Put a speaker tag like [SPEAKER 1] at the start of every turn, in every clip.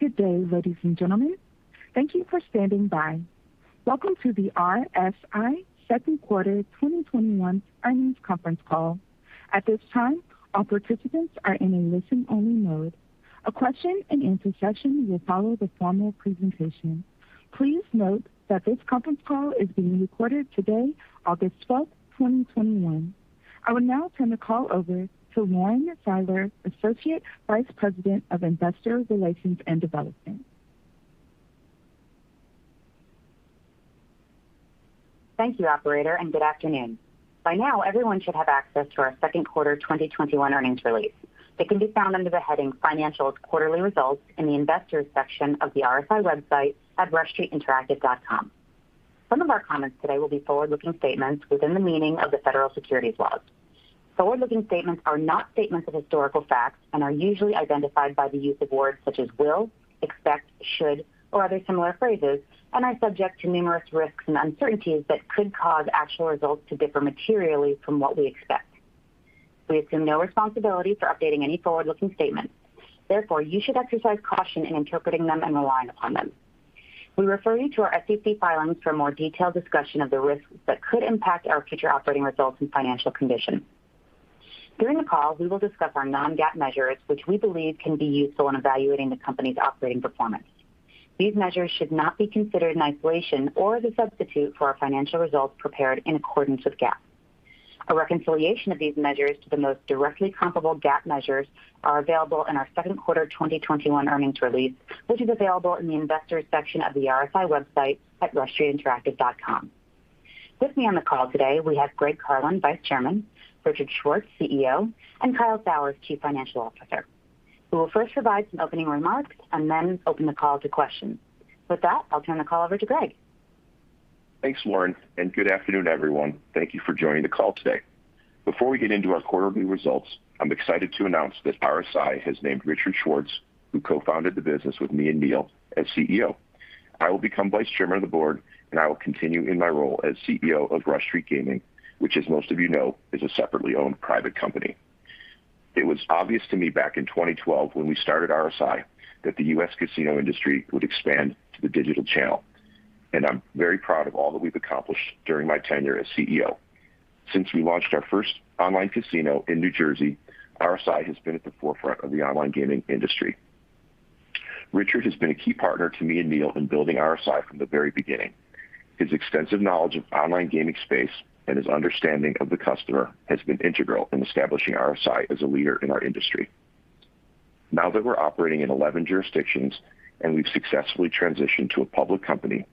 [SPEAKER 1] Good day, ladies and gentlemen. Thank you for standing by. Welcome to the RSI second quarter 2021 earnings conference call. At this time, all participants are in a listen-only mode. A question-and-answer session will follow the formal presentation. Please note that this conference call is being recorded today, August 12th, 2021. I will now turn the call over to Lauren Seiler, Associate Vice President of Investor Relations and Development.
[SPEAKER 2] Thank you, operator, and good afternoon. By now, everyone should have access to our second quarter 2021 earnings release. It can be found under the heading Financials Quarterly Results in the Investors section of the RSI website at rushstreetinteractive.com. Some of our comments today will be forward-looking statements within the meaning of the federal securities laws. Forward-looking statements are not statements of historical facts and are usually identified by the use of words such as will, expect, should, or other similar phrases, and are subject to numerous risks and uncertainties that could cause actual results to differ materially from what we expect. We assume no responsibility for updating any forward-looking statements. Therefore, you should exercise caution in interpreting them and relying upon them. We refer you to our SEC filings for a more detailed discussion of the risks that could impact our future operating results and financial condition. During the call, we will discuss our non-GAAP measures, which we believe can be useful in evaluating the company's operating performance. These measures should not be considered in isolation or as a substitute for our financial results prepared in accordance with GAAP. A reconciliation of these measures to the most directly comparable GAAP measures are available in our second quarter 2021 earnings release, which is available in the Investors section of the RSI website at rushstreetinteractive.com. With me on the call today, we have Greg Carlin, Vice Chairman, Richard Schwartz, CEO, and Kyle Sauers, Chief Financial Officer, who will first provide some opening remarks and then open the call to questions. With that, I'll turn the call over to Greg.
[SPEAKER 3] Thanks, Lauren, and good afternoon, everyone. Thank you for joining the call today. Before we get into our quarterly results, I'm excited to announce that RSI has named Richard Schwartz, who co-founded the business with me and Neil, as CEO. I will become Vice Chairman of the Board, and I will continue in my role as CEO of Rush Street Gaming, which as most of you know, is a separately owned private company. It was obvious to me back in 2012 when we started RSI that the U.S. casino industry would expand to the digital channel, and I'm very proud of all that we've accomplished during my tenure as CEO. Since we launched our first online casino in New Jersey, RSI has been at the forefront of the online gaming industry. Richard has been a key partner to me and Neil in building RSI from the very beginning. His extensive knowledge of online gaming space and his understanding of the customer has been integral in establishing RSI as a leader in our industry. Now that we're operating in 11 jurisdictions and we've successfully transitioned to a public company,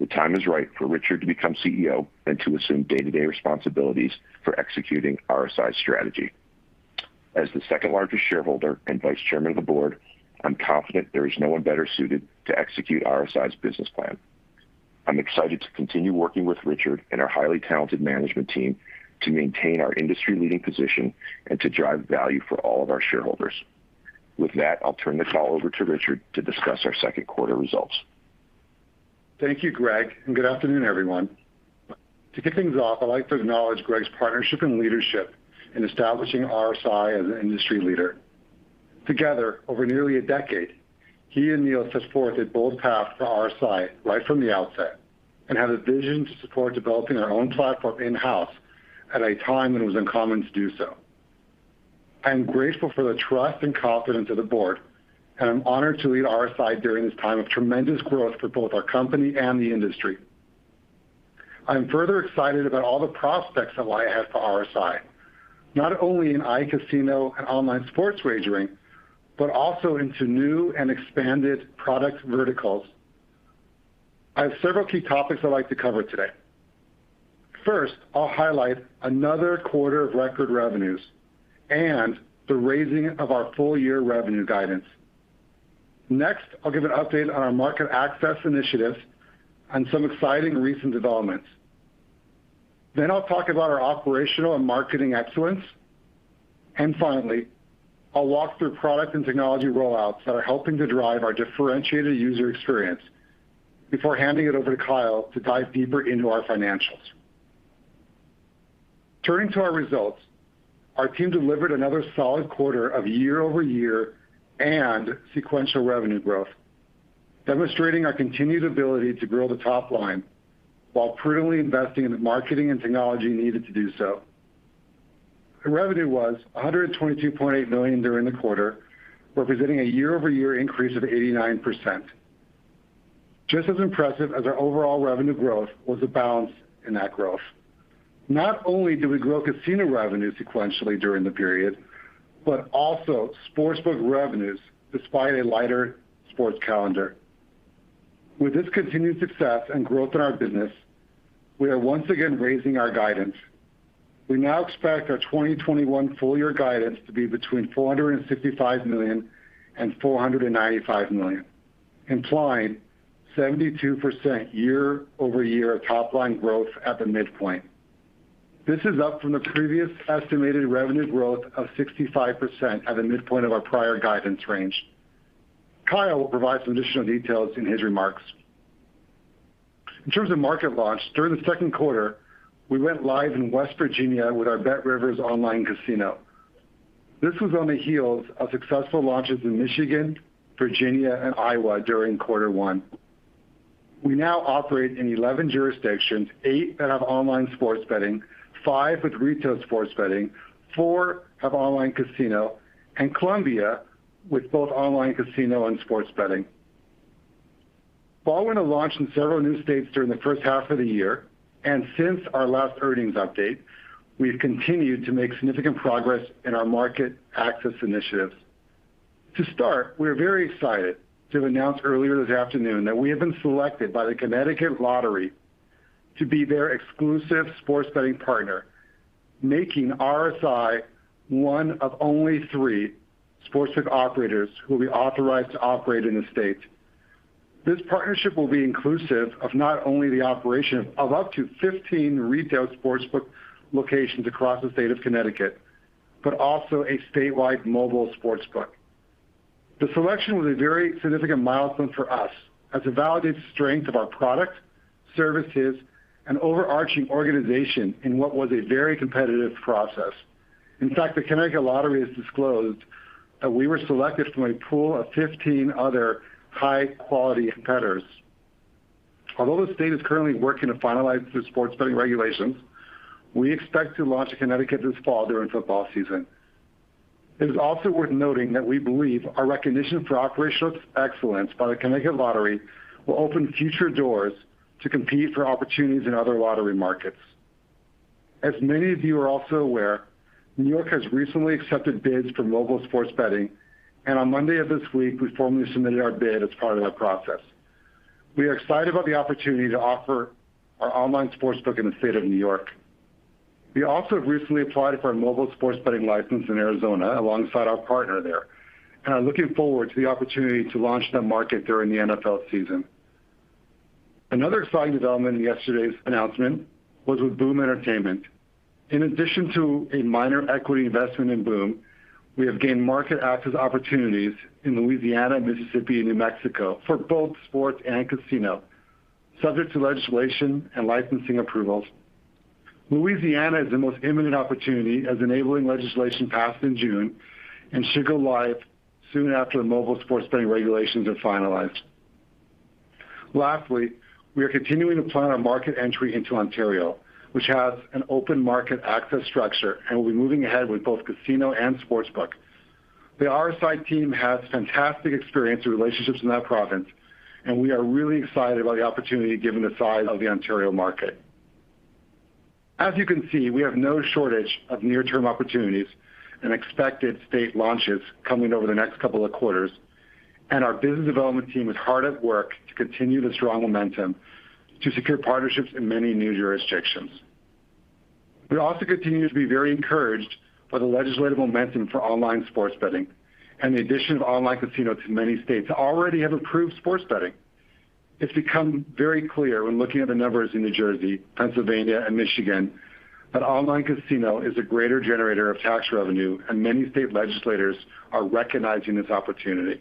[SPEAKER 3] the time is right for Richard to become CEO and to assume day-to-day responsibilities for executing RSI's strategy. As the second-largest shareholder and Vice Chairman of the Board, I'm confident there is no one better suited to execute RSI's business plan. I'm excited to continue working with Richard and our highly talented management team to maintain our industry-leading position and to drive value for all of our shareholders. With that, I'll turn the call over to Richard to discuss our second quarter results.
[SPEAKER 4] Thank you, Greg, and good afternoon, everyone. To kick things off, I'd like to acknowledge Greg's partnership and leadership in establishing RSI as an industry leader. Together, over nearly a decade, he and Neil set forth a bold path for RSI right from the outset and had the vision to support developing our own platform in-house at a time when it was uncommon to do so. I am grateful for the trust and confidence of the board, and I'm honored to lead RSI during this time of tremendous growth for both our company and the industry. I'm further excited about all the prospects that lie ahead for RSI, not only in iCasino and online sports wagering, but also into new and expanded product verticals. I have several key topics I'd like to cover today. First, I'll highlight another quarter of record revenues and the raising of our full-year revenue guidance. I'll give an update on our market access initiatives and some exciting recent developments. I'll talk about our operational and marketing excellence. Finally, I'll walk through product and technology rollouts that are helping to drive our differentiated user experience before handing it over to Kyle to dive deeper into our financials. Turning to our results, our team delivered another solid quarter of year-over-year and sequential revenue growth, demonstrating our continued ability to grow the top line while prudently investing in the marketing and technology needed to do so. The revenue was $122.8 million during the quarter, representing a year-over-year increase of 89%. Just as impressive as our overall revenue growth was the balance in that growth. Not only did we grow casino revenue sequentially during the period, but also sportsbook revenues despite a lighter sports calendar. With this continued success and growth in our business, we are once again raising our guidance. We now expect our 2021 full-year guidance to be between $465 million and $495 million, implying 72% year-over-year top-line growth at the midpoint. This is up from the previous estimated revenue growth of 65% at the midpoint of our prior guidance range. Kyle will provide some additional details in his remarks. In terms of market launch, during the second quarter, we went live in West Virginia with our BetRivers online casino. This was on the heels of successful launches in Michigan, Virginia, and Iowa during quarter one. We now operate in 11 jurisdictions, eight that have online sports betting, five with retail sports betting, four have online casino, and Colombia with both online casino and sports betting. Following a launch in several new states during the first half of the year, since our last earnings update, we've continued to make significant progress in our market access initiatives. To start, we were very excited to announce earlier this afternoon that we have been selected by the Connecticut Lottery to be their exclusive sports betting partner, making RSI one of only three sportsbook operators who will be authorized to operate in the state. This partnership will be inclusive of not only the operation of up to 15 retail sportsbook locations across the state of Connecticut, but also a statewide mobile sportsbook. The selection was a very significant milestone for us as it validates the strength of our product, services, and overarching organization in what was a very competitive process. In fact, the Connecticut Lottery has disclosed that we were selected from a pool of 15 other high-quality competitors. Although the state is currently working to finalize the sports betting regulations, we expect to launch in Connecticut this fall during football season. It is also worth noting that we believe our recognition for operational excellence by the Connecticut Lottery will open future doors to compete for opportunities in other lottery markets. As many of you are also aware, New York has recently accepted bids for mobile sports betting, and on Monday of this week, we formally submitted our bid as part of that process. We are excited about the opportunity to offer our online sportsbook in the state of New York. We also have recently applied for a mobile sports betting license in Arizona alongside our partner there, and are looking forward to the opportunity to launch that market during the NFL season. Another exciting development in yesterday's announcement was with Boom Entertainment. In addition to a minor equity investment in Boom, we have gained market access opportunities in Louisiana, Mississippi, and New Mexico for both sports and casino, subject to legislation and licensing approvals. Louisiana is the most imminent opportunity, as enabling legislation passed in June and should go live soon after the mobile sports betting regulations are finalized. Lastly, we are continuing to plan our market entry into Ontario, which has an open market access structure and will be moving ahead with both casino and sportsbook. The RSI team has fantastic experience with relationships in that province, and we are really excited about the opportunity given the size of the Ontario market. As you can see, we have no shortage of near-term opportunities and expected state launches coming over the next couple of quarters, and our business development team is hard at work to continue the strong momentum to secure partnerships in many new jurisdictions. We also continue to be very encouraged by the legislative momentum for online sports betting and the addition of online casinos in many states already have approved sports betting. It's become very clear when looking at the numbers in New Jersey, Pennsylvania, and Michigan, that online casino is a greater generator of tax revenue, and many state legislators are recognizing this opportunity.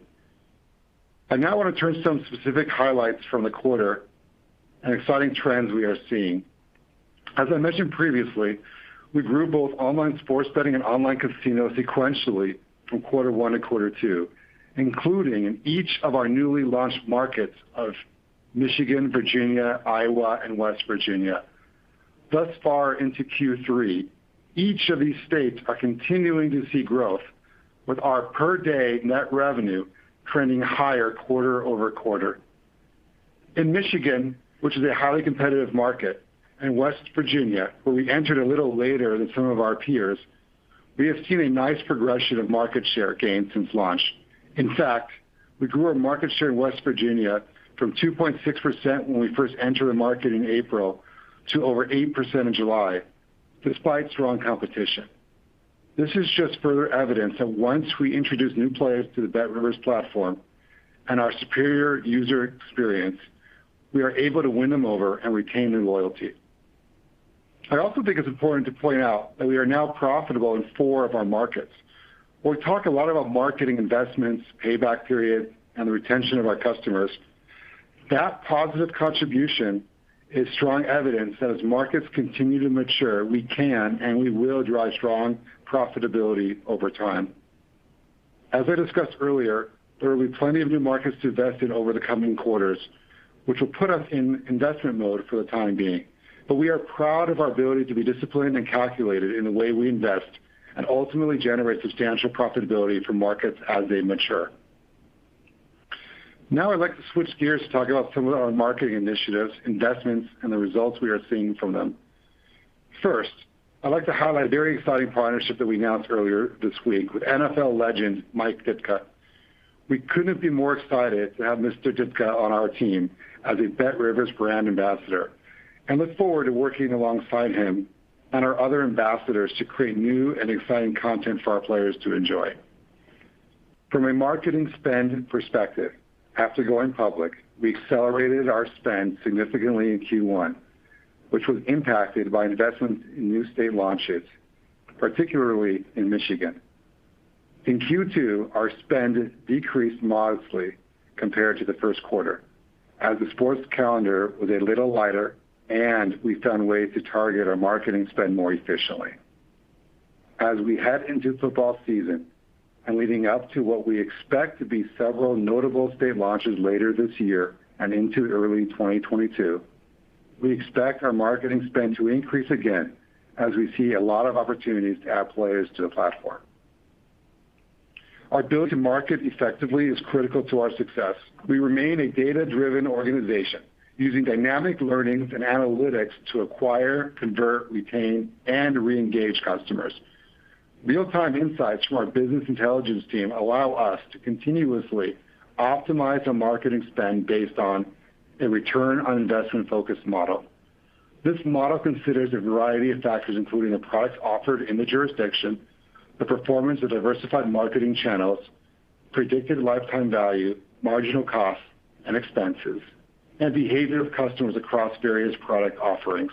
[SPEAKER 4] I now want to turn to some specific highlights from the quarter and exciting trends we are seeing. As I mentioned previously, we grew both online sports betting and online casino sequentially from quarter one to quarter two, including in each of our newly launched markets of Michigan, Virginia, Iowa, and West Virginia. Thus far into Q3, each of these states are continuing to see growth with our per-day net revenue trending higher quarter-over-quarter. In Michigan, which is a highly competitive market, and West Virginia, where we entered a little later than some of our peers, we have seen a nice progression of market share gains since launch. In fact, we grew our market share in West Virginia from 2.6% when we first entered the market in April to over 8% in July, despite strong competition. This is just further evidence that once we introduce new players to the BetRivers platform and our superior user experience, we are able to win them over and retain their loyalty. I also think it's important to point out that we are now profitable in four of our markets. We talk a lot about marketing investments, payback period, and the retention of our customers. That positive contribution is strong evidence that as markets continue to mature, we can and we will drive strong profitability over time. As I discussed earlier, there will be plenty of new markets to invest in over the coming quarters, which will put us in investment mode for the time being. We are proud of our ability to be disciplined and calculated in the way we invest and ultimately generate substantial profitability from markets as they mature. I'd like to switch gears to talk about some of our marketing initiatives, investments, and the results we are seeing from them. I'd like to highlight a very exciting partnership that we announced earlier this week with NFL legend Mike Ditka. We couldn't be more excited to have Mr. Ditka on our team as a BetRivers brand ambassador and look forward to working alongside him and our other ambassadors to create new and exciting content for our players to enjoy. From a marketing spend perspective, after going public, we accelerated our spend significantly in Q1, which was impacted by investments in new state launches, particularly in Michigan. In Q2, our spend decreased modestly compared to the first quarter, as the sports calendar was a little lighter, and we found ways to target our marketing spend more efficiently. As we head into football season, and leading up to what we expect to be several notable states launches later this year and into early 2022, we expect our marketing spend to increase again, as we see a lot of opportunities to add players to the platform. Our ability to market effectively is critical to our success. We remain a data-driven organization, using dynamic learnings and analytics to acquire, convert, retain, and re-engage customers. Real-time insights from our business intelligence team allow us to continuously optimize our marketing spend based on a return on investment-focused model. This model considers a variety of factors, including the products offered in the jurisdiction, the performance of diversified marketing channels, predicted lifetime value, marginal costs and expenses, and behavior of customers across various product offerings.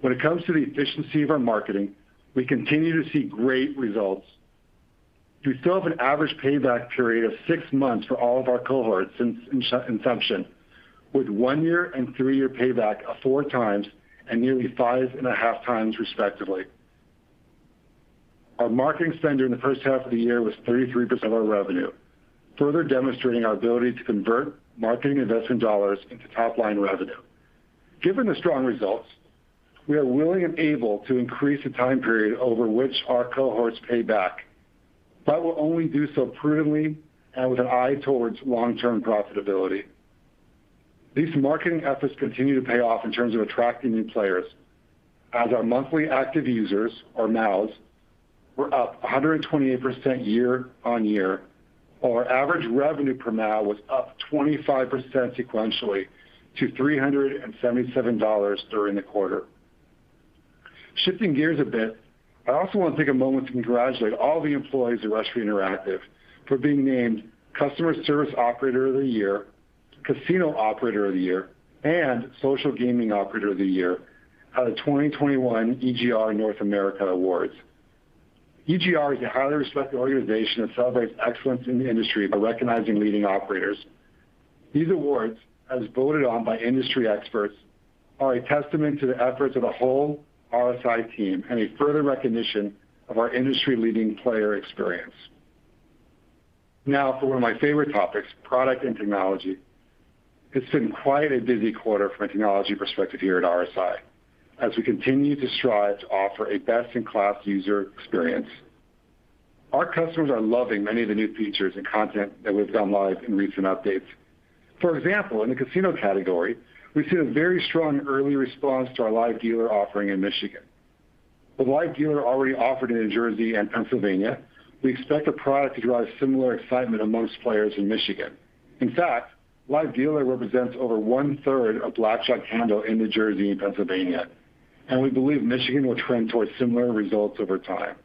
[SPEAKER 4] When it comes to the efficiency of our marketing, we continue to see great results. We still have an average payback period of six months for all of our cohorts since inception, with one-year and three-year payback of four times and nearly five and a half times, respectively. Our marketing spend during the first half of the year was 33% of our revenue, further demonstrating our ability to convert marketing investment dollars into top-line revenue. Given the strong results, we are willing and able to increase the time period over which our cohorts pay back, but will only do so prudently and with an eye towards long-term profitability. These marketing efforts continue to pay off in terms of attracting new players, as our monthly active users, or MAUs, were up 128% year-on-year, while our average revenue per MAU was up 25% sequentially to $377 during the quarter. Shifting gears a bit, I also want to take a moment to congratulate all the employees at Rush Street Interactive for being named Customer Service Operator of the Year, Casino Operator of the Year, and Social Gaming Operator of the Year at the 2021 EGR North America Awards. EGR is a highly respected organization that celebrates excellence in the industry by recognizing leading operators. These awards, as voted on by industry experts, are a testament to the efforts of the whole RSI team and a further recognition of our industry-leading player experience. Now for one of my favorite topics, product and technology. It's been quite a busy quarter from a technology perspective here at RSI, as we continue to strive to offer a best-in-class user experience. Our customers are loving many of the new features and content that we've gone live in recent updates. For example, in the casino category, we've seen a very strong early response to our live dealer offering in Michigan. With live dealer already offered in New Jersey and Pennsylvania, we expect the product to drive similar excitement amongst players in Michigan. In fact, live dealer represents over 1/3 of blackjack handle in New Jersey and Pennsylvania, and we believe Michigan will trend towards similar results over time.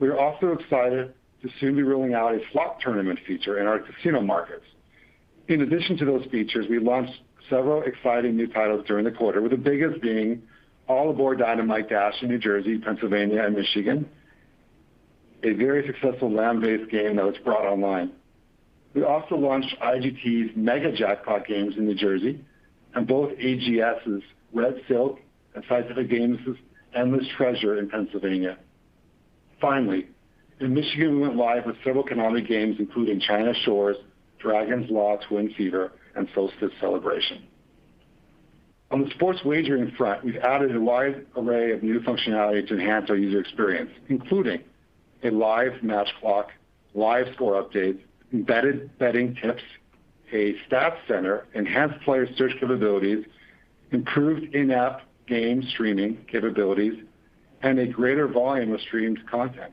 [SPEAKER 4] We are also excited to soon be rolling out a slot tournament feature in our casino markets. In addition to those features, we launched several exciting new titles during the quarter, with the biggest being All Aboard Dynamite Dash in New Jersey, Pennsylvania, and Michigan, a very successful land-based game that was brought online. We also launched IGT's MegaJackpots games in New Jersey, and both AGS' Red Silk and Scientific Games' Endless Treasure in Pennsylvania. Finally, in Michigan, we went live with several Konami games, including China Shores, Dragon's Law Twin Fever, and Solstice Celebration. On the sports wagering front, we've added a wide array of new functionality to enhance our user experience, including a live match clock, live score updates, embedded betting tips, a stats center, enhanced player search capabilities, improved in-app game streaming capabilities, and a greater volume of streamed content.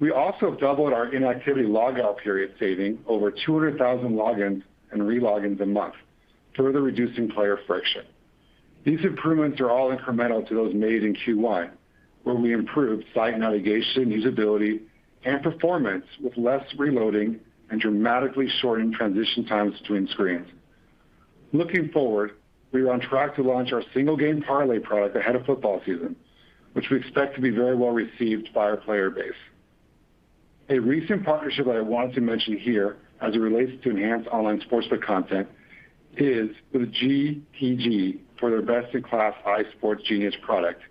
[SPEAKER 4] We also doubled our inactivity logout period, saving over 200,000 logins and re-logins a month, further reducing player friction. These improvements are all incremental to those made in Q1, where we improved site navigation, usability, and performance with less reloading and dramatically shortening transition times between screens. Looking forward, we are on track to launch our single-game parlay product ahead of football season, which we expect to be very well received by our player base. A recent partnership that I wanted to mention here as it relates to enhanced online sportsbook content is with GTG Network for their best-in-class iSport Genius product,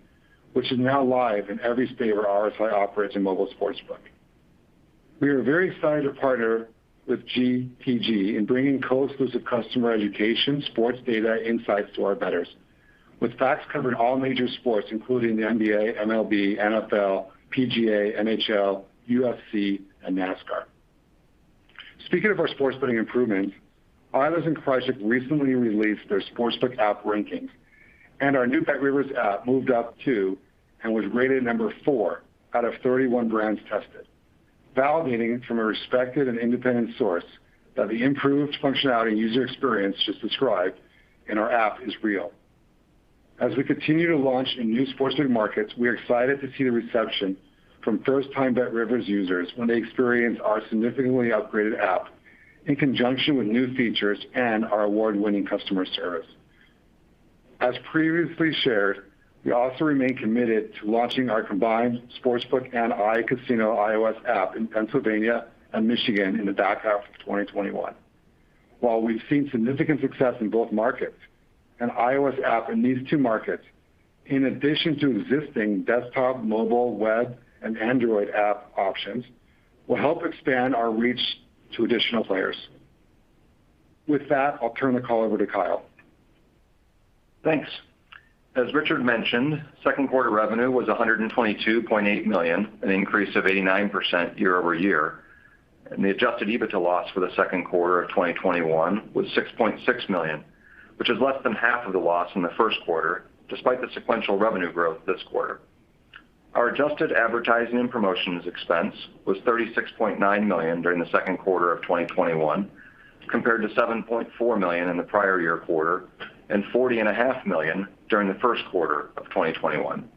[SPEAKER 4] which is now live in every state where RSI operates in mobile sportsbook. We are very excited to partner with GTG Network in bringing co-exclusive customer education, sports data insights to our bettors, with facts covering all major sports, including the NBA, MLB, NFL, PGA, NHL, UFC, and NASCAR. Speaking of our sports betting improvements, Eilers & Krejcik recently released their sportsbook app rankings, and our new BetRivers app moved up to and was rated number 4 out of 31 brands tested, validating from a respected and independent source that the improved functionality and user experience just described in our app is real. As we continue to launch in new sports betting markets, we're excited to see the reception from first-time BetRivers users when they experience our significantly upgraded app in conjunction with new features and our award-winning customer service. As previously shared, we also remain committed to launching our combined sportsbook and iCasino iOS app in Pennsylvania and Michigan in the back half of 2021. While we've seen significant success in both markets, an iOS app in these two markets, in addition to existing desktop, mobile, web, and Android app options, will help expand our reach to additional players. With that, I'll turn the call over to Kyle.
[SPEAKER 5] Thanks. As Richard mentioned, second quarter revenue was $122.8 million, an increase of 89% year-over-year. The Adjusted EBITDA loss for the second quarter of 2021 was $6.6 million, which is less than half of the loss in the first quarter, despite the sequential revenue growth this quarter. Our adjusted advertising and promotions expense was $36.9 million during the second quarter of 2021, compared to $7.4 million in the prior year quarter, and $40.5 million during the first quarter of 2021.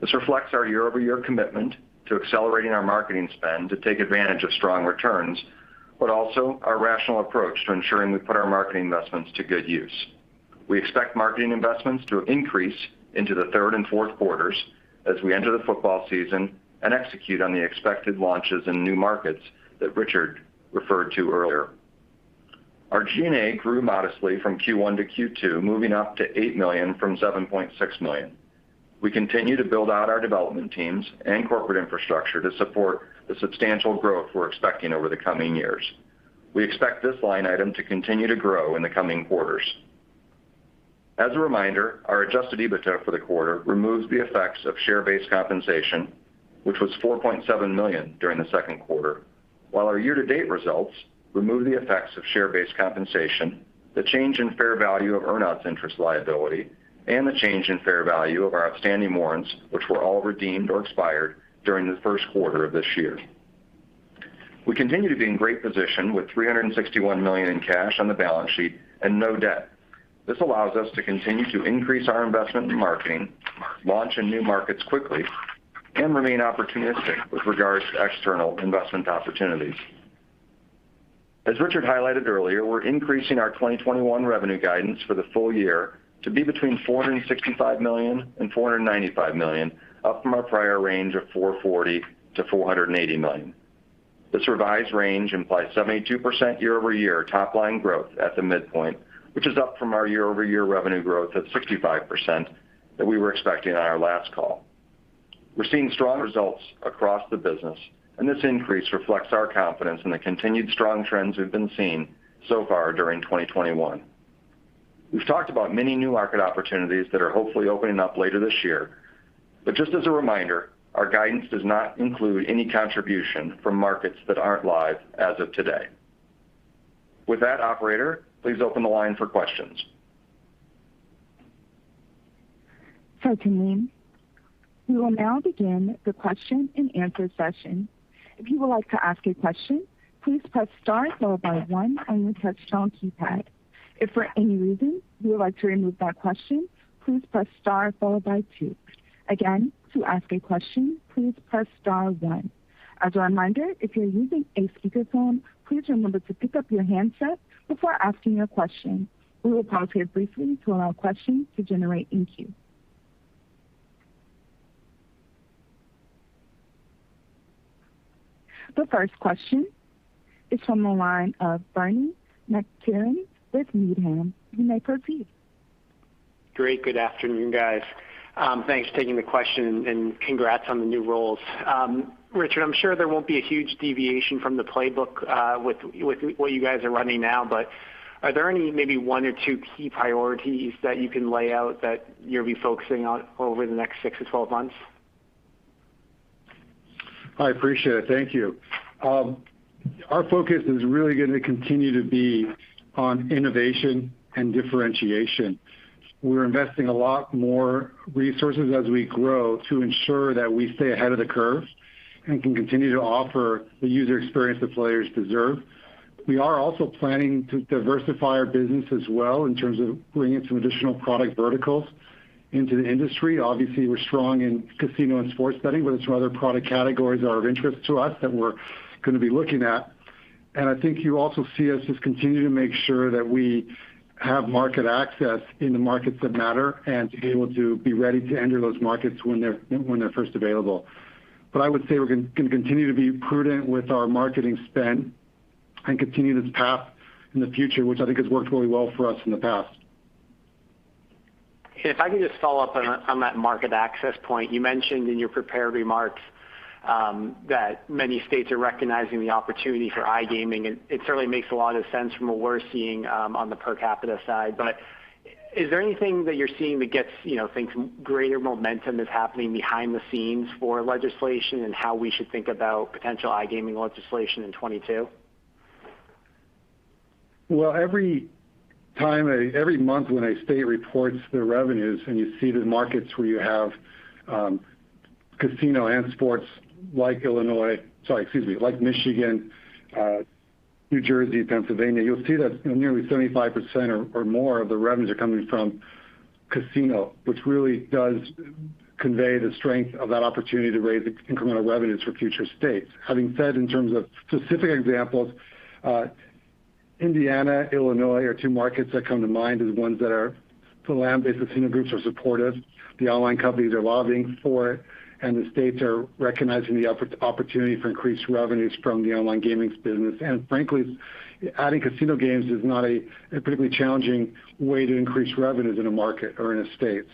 [SPEAKER 5] This reflects our year-over-year commitment to accelerating our marketing spend to take advantage of strong returns, but also our rational approach to ensuring we put our marketing investments to good use. We expect marketing investments to increase into the third and fourth quarters as we enter the football season and execute on the expected launches in new markets that Richard referred to earlier. Our G&A grew modestly from Q1 to Q2, moving up to $8 million from $7.6 million. We continue to build out our development teams and corporate infrastructure to support the substantial growth we're expecting over the coming years. We expect this line item to continue to grow in the coming quarters. As a reminder, our Adjusted EBITDA for the quarter removes the effects of share-based compensation, which was $4.7 million during the second quarter. While our year-to-date results remove the effects of share-based compensation, the change in fair value of earnout interest liability, and the change in fair value of our outstanding warrants, which were all redeemed or expired during the first quarter of this year. We continue to be in great position with $361 million in cash on the balance sheet and no debt. This allows us to continue to increase our investment in marketing, launch in new markets quickly, and remain opportunistic with regards to external investment opportunities. As Richard highlighted earlier, we're increasing our 2021 revenue guidance for the full year to be between $465 million and $495 million, up from our prior range of $440 million-$480 million. This revised range implies 72% year-over-year top line growth at the midpoint, which is up from our year-over-year revenue growth of 65% that we were expecting on our last call. We're seeing strong results across the business, this increase reflects our confidence in the continued strong trends we've been seeing so far during 2021. We've talked about many new market opportunities that are hopefully opening up later this year. Just as a reminder, our guidance does not include any contribution from markets that aren't live as of today. With that, operator, please open the line for questions.
[SPEAKER 1] Certain we will now begin question-and-answer session If you would like to ask question please press star followed by one on your telephone keypad if any reason you would like to withdraw your question please press star followed by two again if you would like to ask question please press star then one as a remind if you are using speakerphone please pickup you hand before asking question. The first question is from the line of Bernie McTernan with Needham. You may proceed.
[SPEAKER 6] Great. Good afternoon, guys. Thanks for taking the question and congrats on the new roles. Richard, I'm sure there won't be a huge deviation from the playbook with what you guys are running now, but are there any maybe one or two key priorities that you can lay out that you'll be focusing on over the next six to 12 months?
[SPEAKER 4] I appreciate it, thank you. Our focus is really gonna continue to be on innovation and differentiation. We're investing a lot more resources as we grow to ensure that we stay ahead of the curve and can continue to offer the user experience that players deserve. We are also planning to diversify our business as well in terms of bringing some additional product verticals into the industry. Obviously, we're strong in casino and sports betting, but there's some other product categories that are of interest to us that we're gonna be looking at. I think you also see us just continue to make sure that we have market access in the markets that matter and to be able to be ready to enter those markets when they're first available. I would say we're gonna continue to be prudent with our marketing spend and continue this path in the future, which I think has worked really well for us in the past.
[SPEAKER 6] If I can just follow up on that market access point. You mentioned in your prepared remarks that many states are recognizing the opportunity for iGaming, and it certainly makes a lot of sense from what we're seeing on the per capita side. Is there anything that you're seeing that gets things, greater momentum that's happening behind the scenes for legislation and how we should think about potential iGaming legislation in 2022?
[SPEAKER 4] Well, every month when a state reports their revenues and you see the markets where you have casino and sports like Illinois, like Michigan, New Jersey, Pennsylvania, you'll see that nearly 75% or more of the revenues are coming from casino, which really does convey the strength of that opportunity to raise incremental revenues for future states. Having said in terms of specific examples, Indiana, Illinois are two markets that come to mind as ones that are the land-based casino groups are supportive. The online companies are lobbying for it, and the states are recognizing the opportunity for increased revenues from the online gaming business. Frankly, adding casino games is not a particularly challenging way to increase revenues in a market or in a state.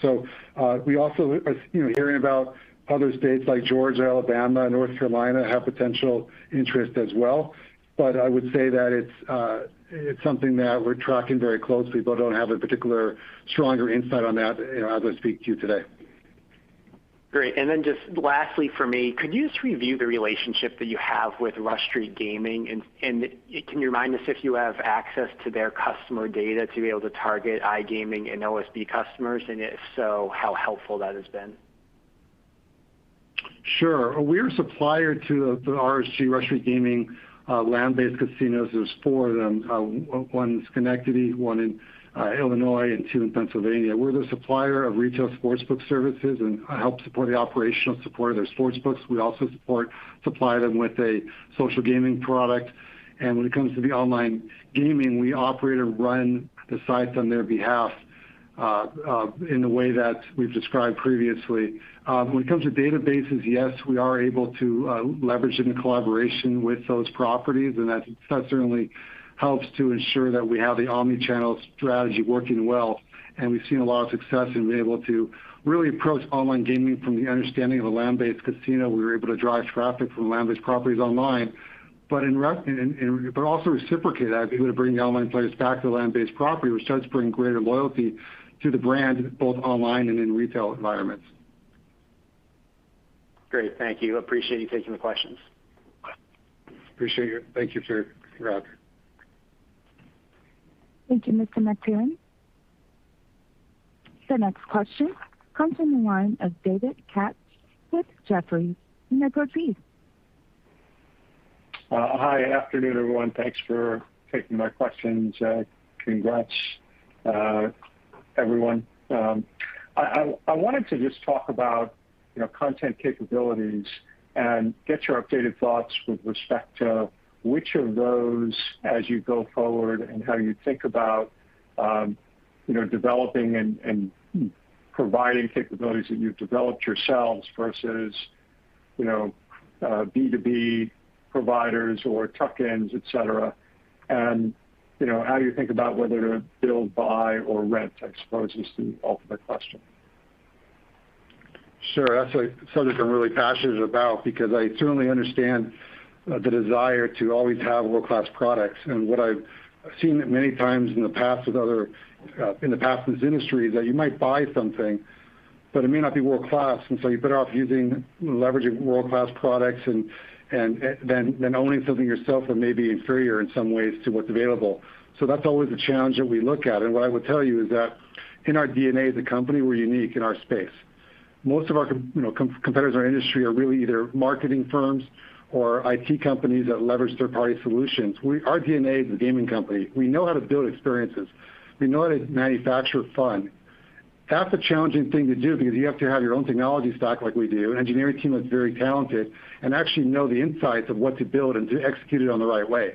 [SPEAKER 4] We also are hearing about other states like Georgia, Alabama, North Carolina, have potential interest as well. I would say that it's something that we're tracking very closely, but I don't have a particular stronger insight on that as I speak to you today.
[SPEAKER 6] Great. Just lastly from me, could you just review the relationship that you have with Rush Street Gaming? Can you remind us if you have access to their customer data to be able to target iGaming and OSB customers, and if so, how helpful that has been?
[SPEAKER 4] Sure. We're a supplier to the RSG, Rush Street Gaming, land-based casinos. There's four of them. One's in Schenectady, one in Illinois and two in Pennsylvania. We're the supplier of retail sportsbook services and help support the operational support of their sportsbooks. We also supply them with a social gaming product. When it comes to the online gaming, we operate or run the sites on their behalf in the way that we've described previously. When it comes to databases, yes, we are able to leverage in collaboration with those properties, and that certainly helps to ensure that we have the omni-channel strategy working well. We've seen a lot of success and been able to really approach online gaming from the understanding of a land-based casino. We were able to drive traffic from land-based properties online, but also reciprocate that. We were able to bring the online players back to the land-based property, which starts bringing greater loyalty to the brand, both online and in retail environments.
[SPEAKER 6] Great. Thank you. Appreciate you taking the questions.
[SPEAKER 4] Appreciate you. Thank you, sir. Bernie.
[SPEAKER 1] Thank you, Mr. McTernan. The next question comes from the line of David Katz with Jefferies. The line's open.
[SPEAKER 7] Hi. Afternoon, everyone. Thanks for taking my questions. Congrats, everyone. I wanted to just talk about content capabilities and get your updated thoughts with respect to which of those as you go forward and how you think about developing and providing capabilities that you've developed yourselves versus B2B providers or tuck-ins, et cetera. How do you think about whether to build, buy or rent? I suppose is the ultimate question.
[SPEAKER 4] Sure. That's a subject I'm really passionate about because I certainly understand the desire to always have world-class products. What I've seen it many times in the past with this industry is that you might buy something, but it may not be world-class, and so you're better off leveraging world-class products than owning something yourself that may be inferior in some ways to what's available. That's always a challenge that we look at. What I would tell you is that in our DNA as a company, we're unique in our space. Most of our competitors in our industry are really either marketing firms or IT companies that leverage third-party solutions. Our DNA is a gaming company. We know how to build experiences. We know how to manufacture fun. That's a challenging thing to do because you have to have your own technology stack like we do, an engineering team that's very talented, and actually know the insights of what to build and to execute it on the right way.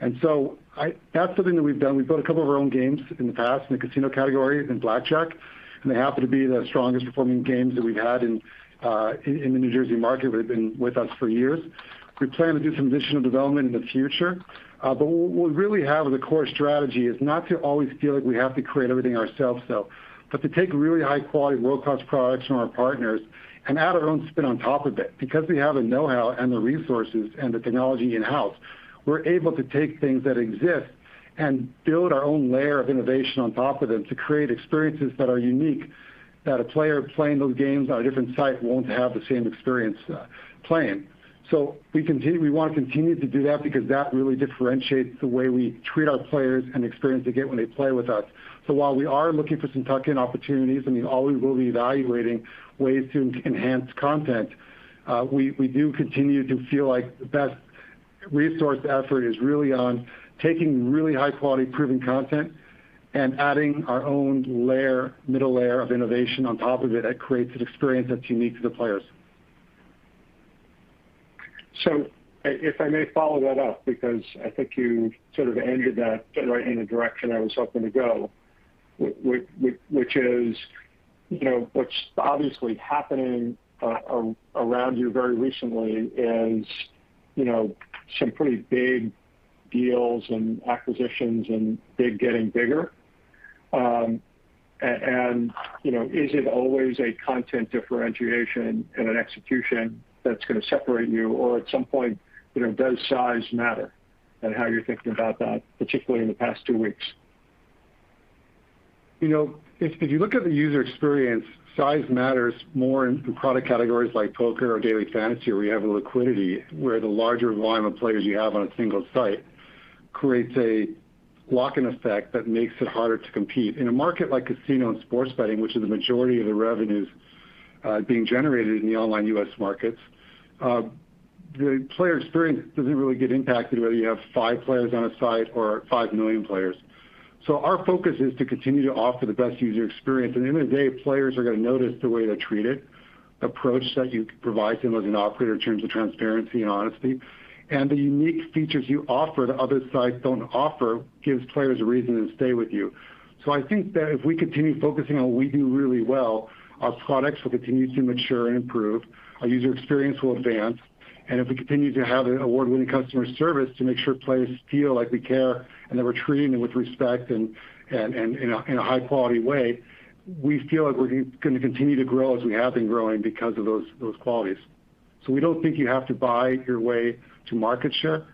[SPEAKER 4] That's something that we've done. We've built a couple of our own games in the past in the casino category, in blackjack, and they happen to be the strongest performing games that we've had in the New Jersey market. They've been with us for years. We plan to do some additional development in the future. What we really have as a core strategy is not to always feel like we have to create everything ourselves, but to take really high-quality, world-class products from our partners and add our own spin on top of it. Because we have the know-how and the resources and the technology in-house, we're able to take things that exist and build our own layer of innovation on top of them to create experiences that are unique, that a player playing those games on a different site won't have the same experience playing. We want to continue to do that because that really differentiates the way we treat our players and experience they get when they play with us. While we are looking for some tuck-in opportunities, and we always will be evaluating ways to enhance content, we do continue to feel like the best resource effort is really on taking really high-quality, proven content and adding our own middle layer of innovation on top of it that creates an experience that's unique to the players.
[SPEAKER 7] If I may follow that up, because I think you sort of ended that right in the direction I was hoping to go, which is what's obviously happening around you very recently is some pretty big deals and acquisitions and big getting bigger. Is it always a content differentiation and an execution that's going to separate you or at some point, does size matter and how you're thinking about that, particularly in the past two weeks?
[SPEAKER 4] If you look at the user experience, size matters more in product categories like poker or daily fantasy, where you have a liquidity, where the larger volume of players you have on a single site creates a lock-in effect that makes it harder to compete. In a market like casino and sports betting, which is the majority of the revenues being generated in the online U.S. markets, the player experience doesn't really get impacted whether you have five players on a site or 5 million players. Our focus is to continue to offer the best user experience. At the end of the day, players are going to notice the way they're treated, approach that you provide to them as an operator in terms of transparency and honesty, and the unique features you offer that other sites don't offer gives players a reason to stay with you. I think that if we continue focusing on what we do really well, our products will continue to mature and improve, our user experience will advance, and if we continue to have an award-winning customer service to make sure players feel like we care and that we're treating them with respect and in a high-quality way, we feel like we're going to continue to grow as we have been growing because of those qualities. We don't think you have to buy your way to market share.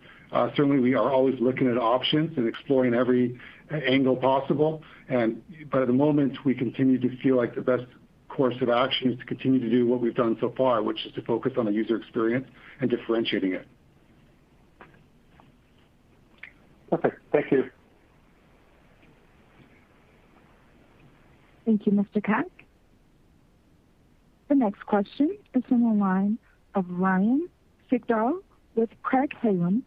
[SPEAKER 4] Certainly, we are always looking at options and exploring every angle possible. At the moment, we continue to feel like the best course of action is to continue to do what we've done so far, which is to focus on the user experience and differentiating it.
[SPEAKER 7] Okay. Thank you.
[SPEAKER 1] Thank you, Mr. Katz. The next question is from the line of Ryan Sigdahl with Craig-Hallum.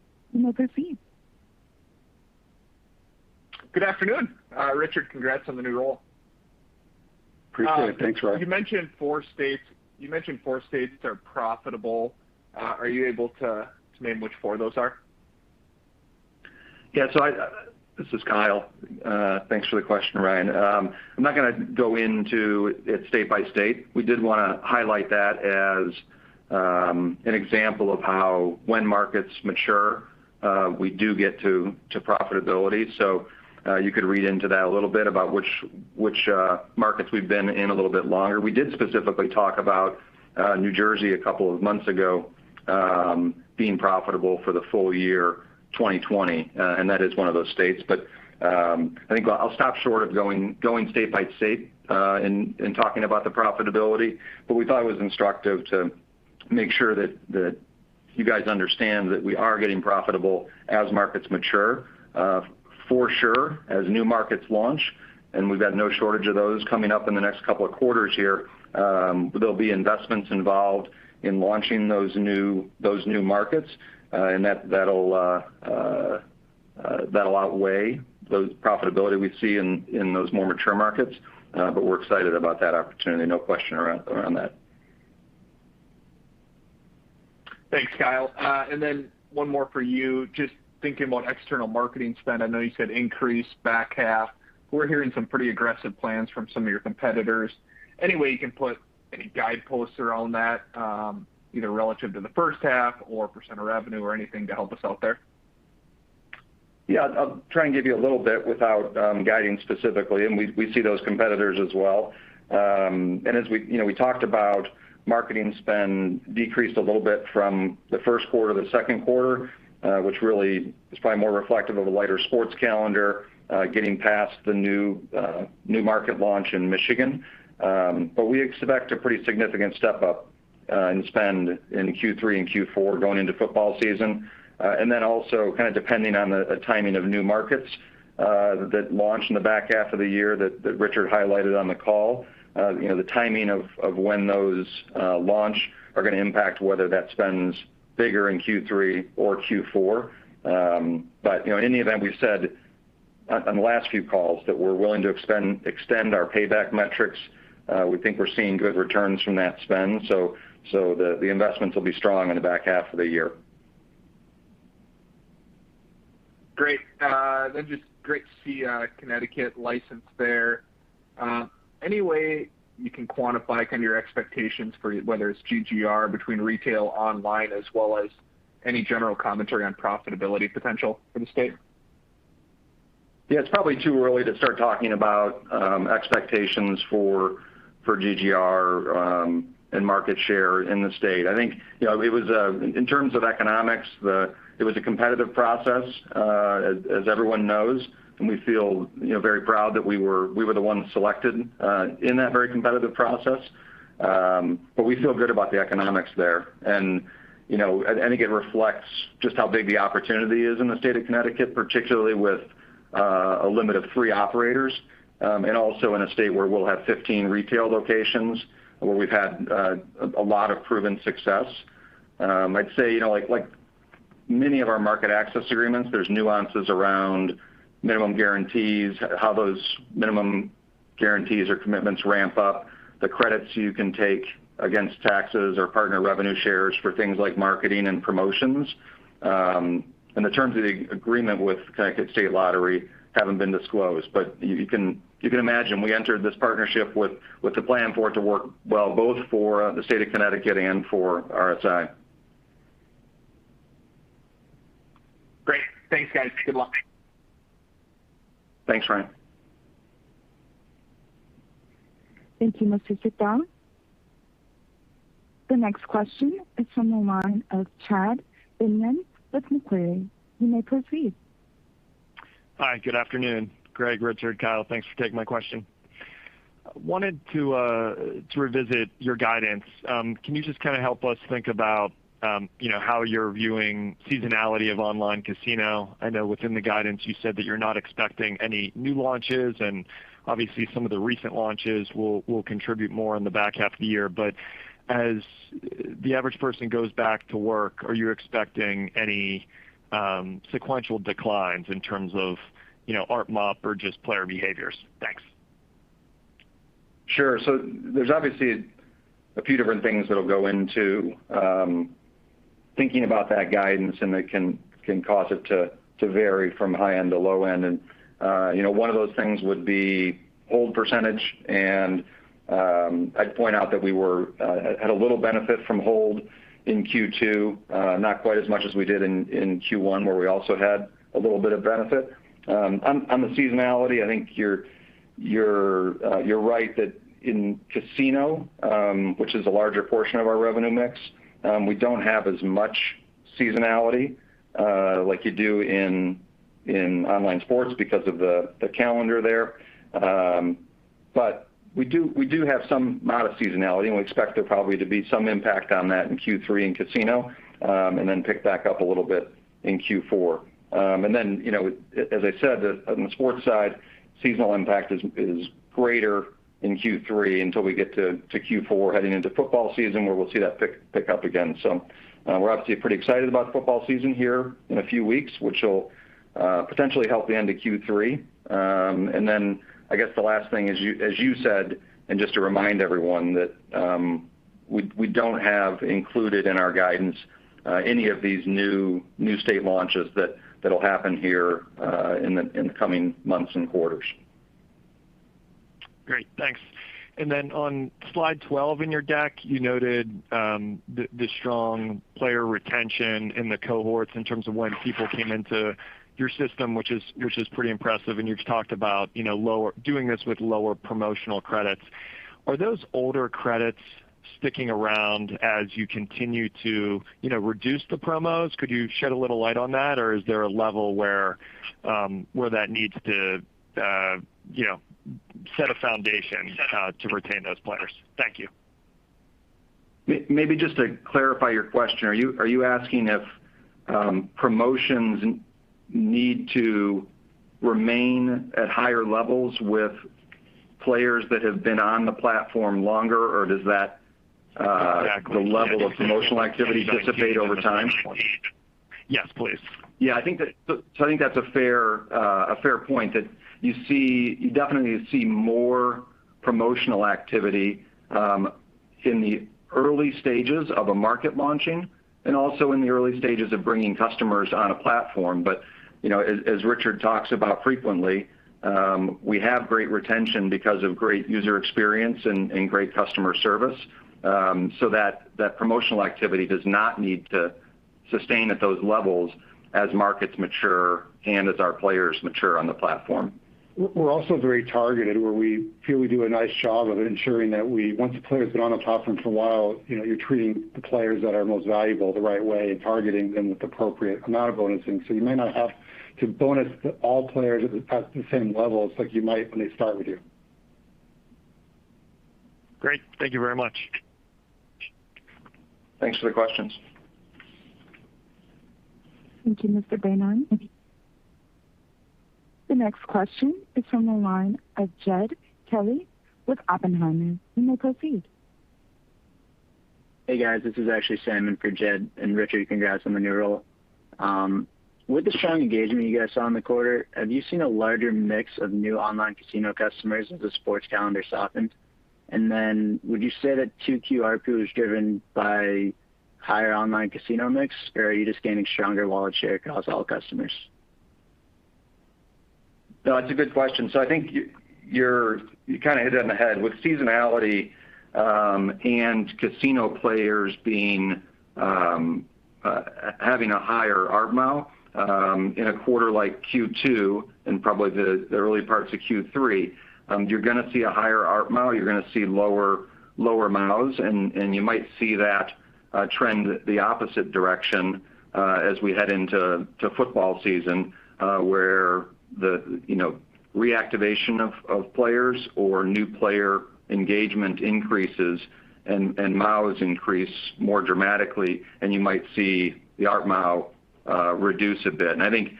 [SPEAKER 8] Good afternoon. Richard, congrats on the new role.
[SPEAKER 4] Appreciate it. Thanks, Ryan.
[SPEAKER 8] You mentioned four states are profitable. Are you able to name which four those are?
[SPEAKER 5] Yeah. This is Kyle. Thanks for the question, Ryan. I'm not going to go into it state by state. We did want to highlight that as an example of how when markets mature, we do get to profitability. You could read into that a little bit about which markets we've been in a little bit longer. We did specifically talk about New Jersey a couple of months ago, being profitable for the full year 2020. That is one of those states. I think I'll stop short of going state by state, and talking about the profitability. We thought it was instructive to make sure that you guys understand that we are getting profitable as markets mature, for sure, as new markets launch, and we've got no shortage of those coming up in the next couple of quarters here. There'll be investments involved in launching those new markets, and that'll outweigh the profitability we see in those more mature markets. We're excited about that opportunity, no question around that.
[SPEAKER 8] Thanks, Kyle. One more for you, just thinking about external marketing spend. I know you said increase back half. We're hearing some pretty aggressive plans from some of your competitors. Any way you can put any guideposts around that, either relative to the first half or percent of revenue or anything to help us out there?
[SPEAKER 5] I'll try and give you a little bit without guiding specifically. We see those competitors as well. As we talked about marketing spend decreased a little bit from the first quarter to the second quarter, which really is probably more reflective of a lighter sports calendar, getting past the new market launch in Michigan. We expect a pretty significant step-up in spend in Q3 and Q4 going into football season. Then also kind of depending on the timing of new markets that launch in the back half of the year that Richard highlighted on the call. The timing of when those launch are going to impact whether that spend's bigger in Q3 or Q4. In any event, we've said on the last few calls that we're willing to extend our payback metrics. We think we're seeing good returns from that spend, so the investments will be strong in the back half of the year.
[SPEAKER 8] Great. Just great to see Connecticut licensed there. Any way you can quantify kind of your expectations for whether it's GGR between retail online as well as any general commentary on profitability potential for the state?
[SPEAKER 4] Yeah, it's probably too early to start talking about expectations for GGR and market share in the state. I think, in terms of economics, it was a competitive process, as everyone knows, and we feel very proud that we were the ones selected, in that very competitive process. We feel good about the economics there. I think it reflects just how big the opportunity is in the state of Connecticut, particularly with a limit of three operators. Also in a state where we'll have 15 retail locations, where we've had a lot of proven success. I'd say, like many of our market access agreements, there's nuances around minimum guarantees, how those minimum guarantees or commitments ramp up, the credits you can take against taxes or partner revenue shares for things like marketing and promotions. The terms of the agreement with the Connecticut State Lottery haven't been disclosed. You can imagine we entered this partnership with the plan for it to work well both for the state of Connecticut and for RSI.
[SPEAKER 8] Great. Thanks, guys. Good luck.
[SPEAKER 4] Thanks, Ryan.
[SPEAKER 1] Thank you, Mr. Sigdahl. The next question is from the line of Chad Beynon with Macquarie. You may proceed.
[SPEAKER 9] Hi, good afternoon. Greg, Richard, Kyle, thanks for taking my question. I wanted to revisit your guidance. Can you just kind of help us think about how you're viewing seasonality of iCasino? I know within the guidance you said that you're not expecting any new launches, and obviously some of the recent launches will contribute more in the back half of the year. As the average person goes back to work, are you expecting any sequential declines in terms of ARPMAU or just player behaviors? Thanks.
[SPEAKER 5] Sure. There's obviously a few different things that'll go into thinking about that guidance, and that can cause it to vary from high end to low end. One of those things would be hold percentage, and I'd point out that we had a little benefit from hold in Q2, not quite as much as we did in Q1, where we also had a little bit of benefit. On the seasonality, I think you're right that in casino, which is a larger portion of our revenue mix, we don't have as much seasonality like you do in online sports because of the calendar there. We do have some amount of seasonality, and we expect there probably to be some impact on that in Q3 in casino, and then pick back up a little bit in Q4. As I said, on the sports side, seasonal impact is greater in Q3 until we get to Q4 heading into football season where we'll see that pick up again. We're obviously pretty excited about football season here in a few weeks, which will potentially help the end of Q3. I guess the last thing, as you said, and just to remind everyone, that we don't have included in our guidance any of these new state launches that'll happen here in the coming months and quarters.
[SPEAKER 9] Great, thanks. On slide 12 in your deck, you noted the strong player retention in the cohorts in terms of when people came into your system, which is pretty impressive. You've talked about doing this with lower promotional credits. Are those older credits sticking around as you continue to reduce the promos? Could you shed a little light on that, or is there a level where that needs to set a foundation to retain those players? Thank you.
[SPEAKER 5] Maybe just to clarify your question, are you asking if promotions need to remain at higher levels with players that have been on the platform longer?
[SPEAKER 9] Exactly
[SPEAKER 5] the level of promotional activity dissipate over time?
[SPEAKER 9] Yes, please.
[SPEAKER 5] Yeah, I think that's a fair point that you definitely see more promotional activity in the early stages of a market launching and also in the early stages of bringing customers on a platform. As Richard talks about frequently, we have great retention because of great user experience and great customer service. That promotional activity does not need to sustain at those levels as markets mature and as our players mature on the platform.
[SPEAKER 4] We're also very targeted where we feel we do a nice job of ensuring that once the player's been on the platform for a while, you're treating the players that are most valuable the right way and targeting them with appropriate amount of bonusing. You may not have to bonus all players at the same levels like you might when they start with you.
[SPEAKER 9] Great. Thank you very much.
[SPEAKER 5] Thanks for the questions.
[SPEAKER 1] Thank you, Mr. Beynon. The next question is from the line of Jed Kelly with Oppenheimer. You may proceed.
[SPEAKER 10] Hey, guys, this is actually Simon for Jed. Richard, congrats on the new role. With the strong engagement you guys saw in the quarter, have you seen a larger mix of new online casino customers as the sports calendar softened? Would you say that 2Q ARPU is driven by higher online casino mix, or are you just gaining stronger wallet share across all customers?
[SPEAKER 5] No, it's a good question. I think you hit it on the head. With seasonality and casino players having a higher ARPMU in a quarter like Q2 and probably the early parts of Q3, you're going to see a higher ARPMU, you're going to see lower PMUs, and you might see that trend the opposite direction as we head into football season, where the reactivation of players or new player engagement increases and PMUs increase more dramatically, and you might see the ARPMU reduce a bit. I think,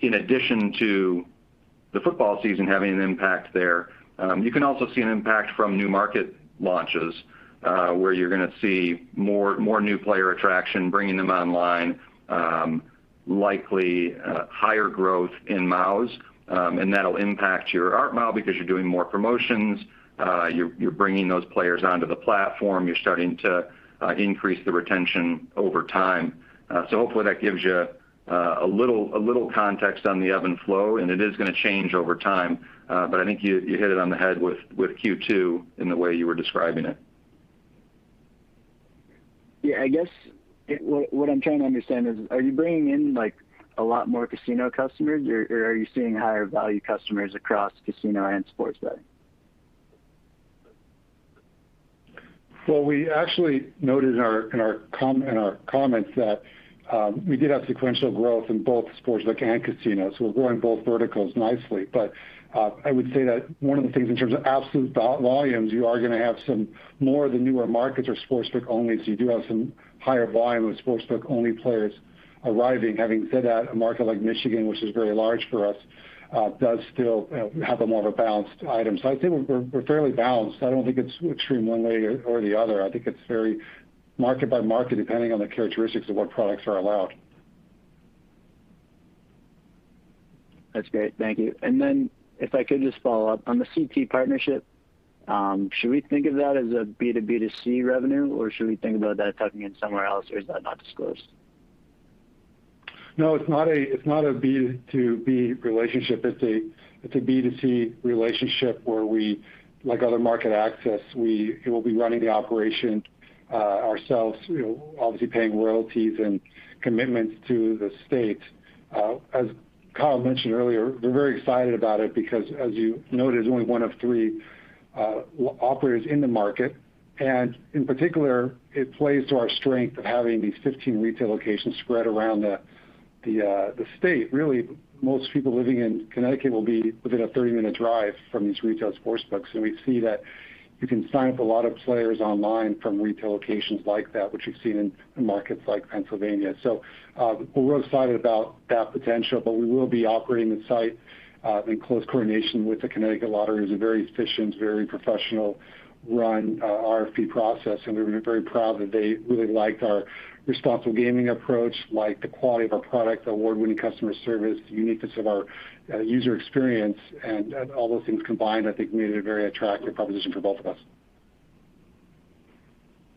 [SPEAKER 5] in addition to the football season having an impact there, you can also see an impact from new market launches where you're going to see more new player attraction, bringing them online, likely higher growth in PMUs. That'll impact your ARPMU because you're doing more promotions, you're bringing those players onto the platform, you're starting to increase the retention over time. Hopefully that gives you a little context on the ebb and flow, and it is going to change over time. I think you hit it on the head with Q2 in the way you were describing it.
[SPEAKER 10] Yeah, I guess what I'm trying to understand is, are you bringing in a lot more casino customers, or are you seeing higher value customers across casino and sports betting?
[SPEAKER 4] Well, we actually noted in our comments that we did have sequential growth in both sportsbook and casino. We're growing both verticals nicely. I would say that one of the things in terms of absolute volumes, you are going to have some more of the newer markets are sportsbook only. You do have some higher volume of sportsbook only players arriving, having said that, a market like Michigan, which is very large for us, does still have a more of a balanced item. I'd say we're fairly balanced. I don't think it's extreme one way or the other. I think it's very market by market, depending on the characteristics of what products are allowed.
[SPEAKER 10] That's great. Thank you. If I could just follow up, on the CT partnership, should we think of that as a B2B2C revenue, or should we think about that tucking in somewhere else, or is that not disclosed?
[SPEAKER 4] No, it's not a B2B relationship. It's a B2C relationship where we, like other market access, it will be running the operation ourselves, obviously paying royalties and commitments to the state. As Kyle mentioned earlier, we're very excited about it because as you noted, it's only one of three operators in the market, and in particular, it plays to our strength of having these 15 retail locations spread around the state. Really, most people living in Connecticut will be within a 30-minute drive from these retail sportsbooks. We see that you can sign up a lot of players online from retail locations like that, which we've seen in markets like Pennsylvania. We're excited about that potential, but we will be operating the site in close coordination with the Connecticut Lottery, who's a very efficient, very professional-run RFP process. We've been very proud that they really liked our responsible gaming approach, liked the quality of our product, award-winning customer service, the uniqueness of our user experience, and all those things combined, I think, made a very attractive proposition for both of us.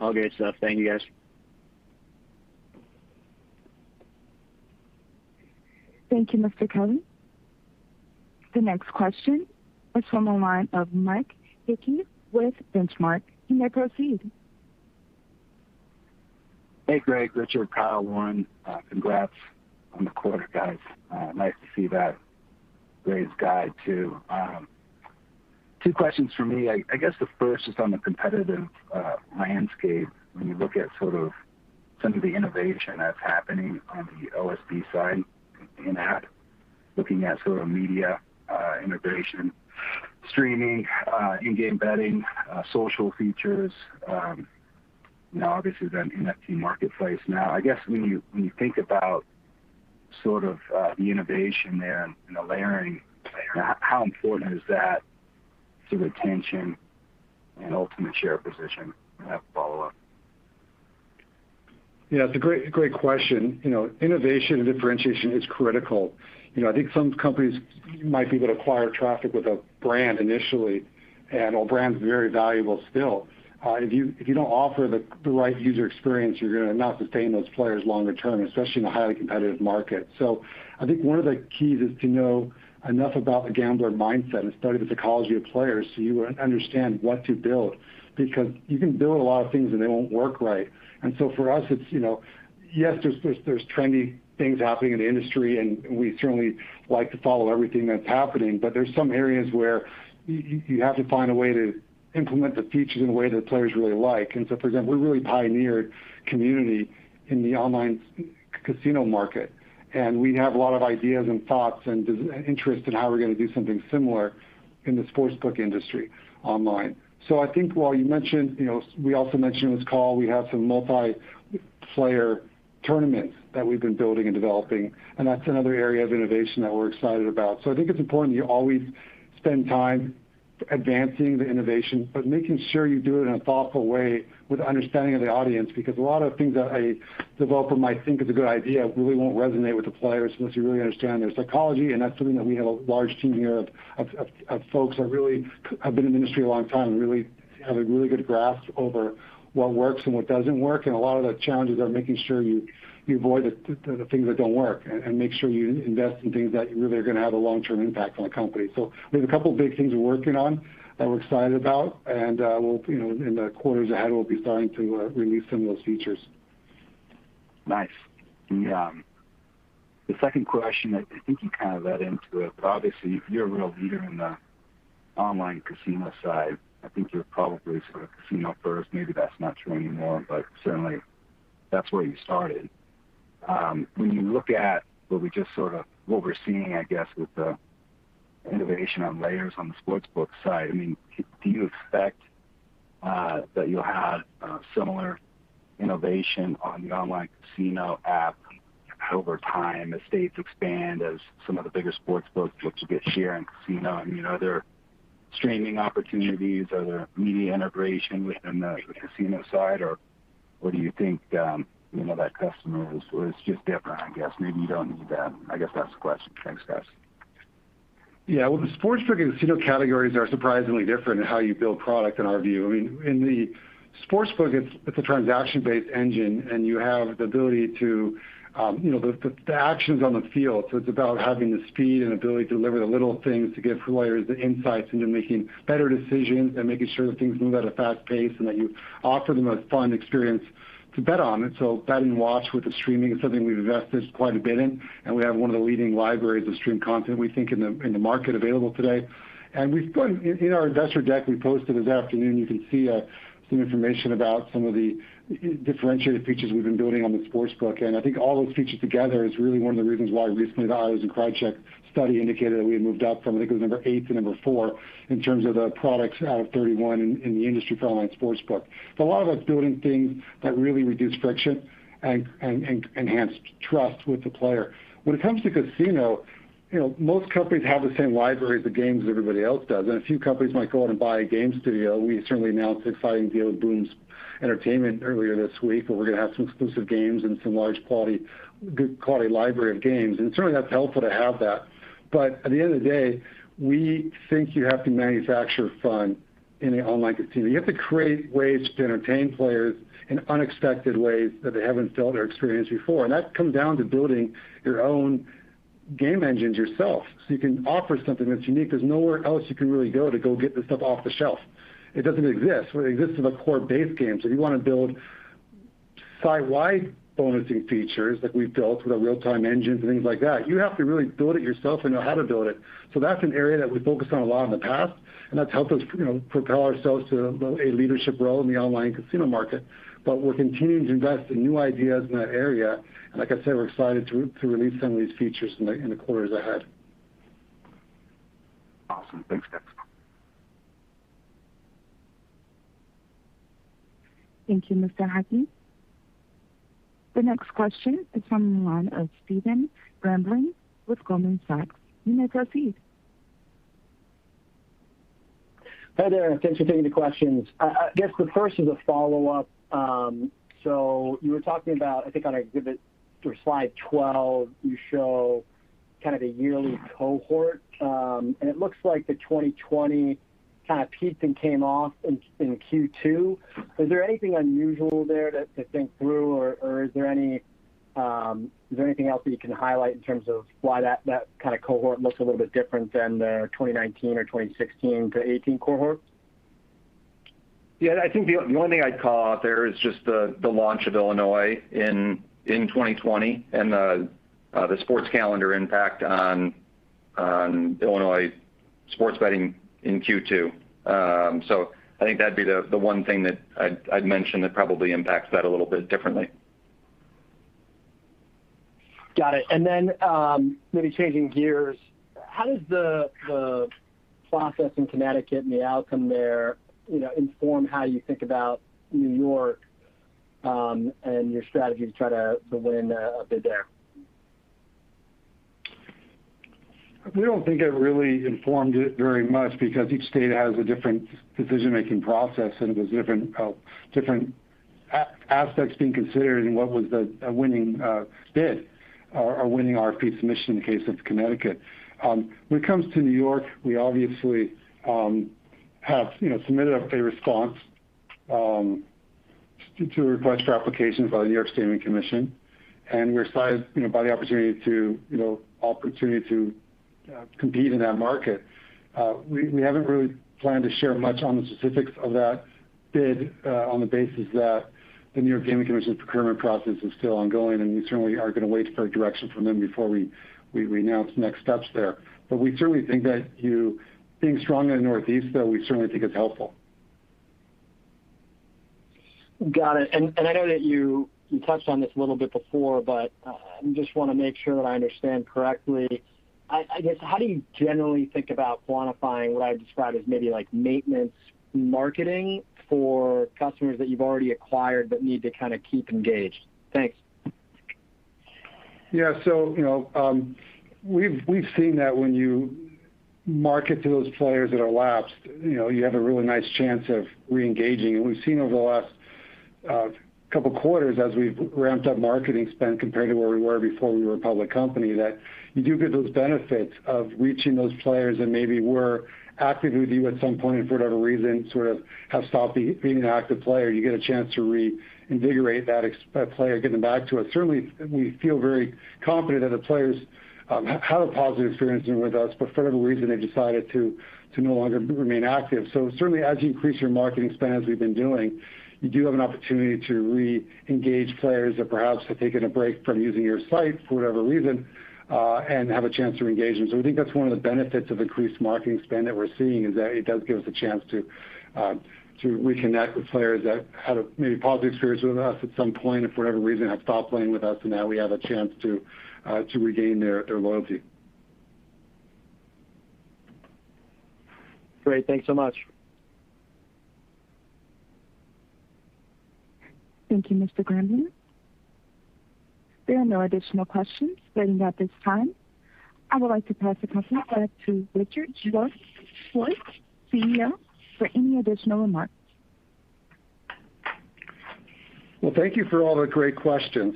[SPEAKER 10] Okay. Thank you, guys.
[SPEAKER 1] Thank you, Mr. Kelly. The next question is from the line of Mike Hickey with Benchmark. You may proceed.
[SPEAKER 11] Hey, Greg, Richard, Kyle, Lauren. Congrats on the quarter, guys. Nice to see that raised guide too. Two questions from me. I guess the first is on the competitive landscape when you look at some of the innovation that's happening on the OSB side in that, looking at sort of media integration, streaming, in-game betting, social features, obviously then in that key marketplace now. I guess when you think about the innovation there and the layering there, how important is that to retention and ultimate share position? I have a follow-up.
[SPEAKER 4] Yeah. It's a great question. Innovation and differentiation is critical. I think some companies might be able to acquire traffic with a brand initially, and while brand's very valuable still, if you don't offer the right user experience, you're going to not sustain those players longer term, especially in a highly competitive market. I think one of the keys is to know enough about the gambler mindset and study the psychology of players so you understand what to build, because you can build a lot of things and they won't work right. For us it's, yes, there's trendy things happening in the industry and we certainly like to follow everything that's happening, but there's some areas where you have to find a way to implement the features in a way that players really like. For example, we really pioneered community in the online casino market, and we have a lot of ideas and thoughts and interest in how we're going to do something similar in the sportsbook industry online. I think while you mentioned, we also mentioned in this call, we have some multi-player tournaments that we've been building and developing, and that's another area of innovation that we're excited about. I think it's important you always spend time advancing the innovation, but making sure you do it in a thoughtful way with understanding of the audience. Because a lot of things that a developer might think is a good idea really won't resonate with the players unless you really understand their psychology, and that's something that we have a large team here of folks that really have been in the industry a long time and really have a really good grasp over what works and what doesn't work. A lot of the challenges are making sure you avoid the things that don't work and make sure you invest in things that really are going to have a long-term impact on the company. There's a couple of big things we're working on that we're excited about, and in the quarters ahead, we'll be starting to release some of those features.
[SPEAKER 11] Nice. The second question, I think you kind of led into it, but obviously you're a real leader in the online casino side. I think you're probably sort of casino first. Maybe that's not true anymore, but certainly that's where you started. When you look at what we're seeing, I guess, with the innovation on layers on the sportsbook side, do you expect that you'll have similar innovation on the online casino app over time as states expand, as some of the bigger sportsbooks look to get share in casino and other streaming opportunities, other media integration within the casino side? Do you think that customer is just different, I guess? Maybe you don't need that. I guess that's the question. Thanks, guys.
[SPEAKER 4] Yeah. Well, the sportsbook and casino categories are surprisingly different in how you build product in our view. In the sportsbook, it's a transaction-based engine and you have the ability. The action's on the field, it's about having the speed and ability to deliver the little things to give players the insights into making better decisions and making sure that things move at a fast pace and that you offer the most fun experience to bet on. Bet and watch with the streaming is something we've invested quite a bit in, and we have one of the leading libraries of stream content, we think, in the market available today. In our investor deck we posted this afternoon, you can see some information about some of the differentiated features we've been building on the sportsbook. I think all those features together is really one of the reasons why recently the Eilers & Krejcik study indicated that we had moved up from, I think it was number eight to number four in terms of the products out of 31 in the industry for online sportsbook. A lot of that's building things that really reduce friction and enhance trust with the player. When it comes to casino, most companies have the same library of the games everybody else does, and a few companies might go out and buy a game studio. We certainly announced an exciting deal with Boom Entertainment earlier this week, where we're going to have some exclusive games and some large, good quality library of games. Certainly that's helpful to have that. At the end of the day, we think you have to manufacture fun in the online casino. You have to create ways to entertain players in unexpected ways that they haven't felt or experienced before. That comes down to building your own game engines yourself so you can offer something that's unique, because nowhere else you can really go to go get this stuff off the shelf. It doesn't exist. What exists are the core base games. If you want to build site-wide bonusing features like we've built with our real-time engines and things like that, you have to really build it yourself and know how to build it. That's an area that we focused on a lot in the past, and that's helped us propel ourselves to a leadership role in the online casino market. We're continuing to invest in new ideas in that area. Like I said, we're excited to release some of these features in the quarters ahead.
[SPEAKER 11] Awesome. Thanks, guys.
[SPEAKER 1] Thank you, Mr. Hickey. The next question is from the line of Stephen Grambling with Goldman Sachs. You may proceed.
[SPEAKER 12] Hi there. Thanks for taking the questions. I guess the first is a follow-up. You were talking about, I think on exhibit or slide 12, you show kind of the yearly cohort. It looks like the 2020 kind of peaked and came off in Q2. Is there anything unusual there to think through? Is there anything else that you can highlight in terms of why that cohort looks a little bit different than the 2019 or 2016-2018 cohort?
[SPEAKER 5] Yeah, I think the one thing I'd call out there is just the launch of Illinois in 2020 and the sports calendar impact on Illinois sports betting in Q2. I think that'd be the one thing that I'd mention that probably impacts that a little bit differently.
[SPEAKER 12] Got it. Maybe changing gears, how does the process in Connecticut and the outcome there inform how you think about New York and your strategy to try to win a bid there?
[SPEAKER 4] We don't think it really informed it very much because each state has a different decision-making process, and there's different aspects being considered in what was the winning bid or winning RFP submission in the case of Connecticut. When it comes to New York, we obviously have submitted a response to a request for application by the New York State Gaming Commission, and we're excited by the opportunity to compete in that market. We haven't really planned to share much on the specifics of that bid on the basis that the New York State Gaming Commission's procurement process is still ongoing, and we certainly are going to wait for direction from them before we announce next steps there. We certainly think that being strong in the Northeast though, we certainly think it's helpful.
[SPEAKER 12] Got it. I know that you touched on this a little bit before, but I just want to make sure that I understand correctly. I guess, how do you generally think about quantifying what I've described as maybe maintenance marketing for customers that you've already acquired but need to kind of keep engaged? Thanks.
[SPEAKER 4] Yeah. We've seen that when you market to those players that are lapsed, you have a really nice chance of reengaging. We've seen over the last couple of quarters as we've ramped up marketing spend compared to where we were before we were a public company, that you do get those benefits of reaching those players that maybe were active with you at some point and for whatever reason, sort of have stopped being an active player. You get a chance to reinvigorate that player, get them back to us. Certainly, we feel very confident that the players had a positive experience with us, but for whatever reason, they decided to no longer remain active. Certainly, as you increase your marketing spend, as we've been doing, you do have an opportunity to reengage players that perhaps have taken a break from using your site for whatever reason, and have a chance to engage them. We think that's one of the benefits of increased marketing spend that we're seeing, is that it does give us a chance to reconnect with players that had a maybe positive experience with us at some point, and for whatever reason, have stopped playing with us, and now we have a chance to regain their loyalty.
[SPEAKER 12] Great. Thanks so much.
[SPEAKER 1] Thank you, Mr. Grambling. There are no additional questions pending at this time. I would like to pass the conference back to Richard Schwartz, CEO, for any additional remarks.
[SPEAKER 4] Well, thank you for all the great questions.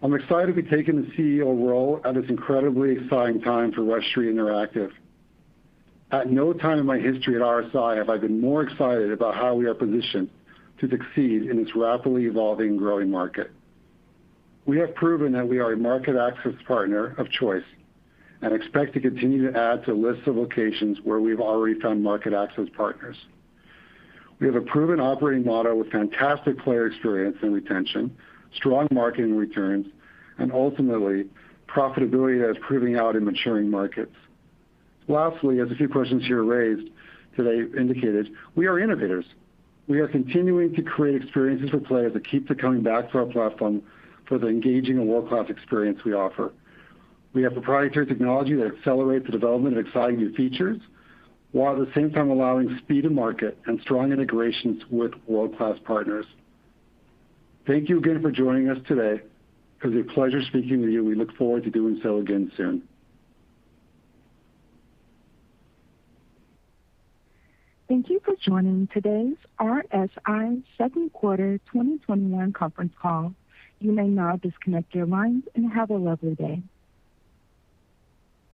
[SPEAKER 4] I'm excited to be taking the CEO role at this incredibly exciting time for Rush Street Interactive. At no time in my history at RSI have I been more excited about how we are positioned to succeed in this rapidly evolving, growing market. We have proven that we are a market access partner of choice and expect to continue to add to lists of locations where we've already found market access partners. We have a proven operating model with fantastic player experience and retention, strong marketing returns, and ultimately, profitability that is proving out in maturing markets. Lastly, as a few questions here raised today indicated, we are innovators. We are continuing to create experiences for players that keep them coming back to our platform for the engaging and world-class experience we offer. We have proprietary technology that accelerates the development of exciting new features, while at the same time allowing speed to market and strong integrations with world-class partners. Thank you again for joining us today. It was a pleasure speaking with you. We look forward to doing so again soon.
[SPEAKER 1] Thank you for joining today's RSI Second Quarter 2021 Conference Call. You may now disconnect your lines. Have a lovely day.